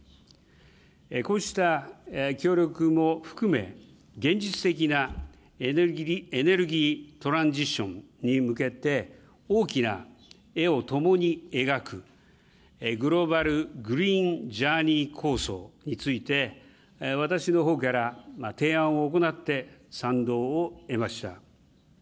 こうした協力も含め、現実的なエネルギー・トランジションに向けて、大きな絵を共に描く、グローバル・グリーン・ジャーニー構想について、私のほうから提案を行って、賛同を得ました。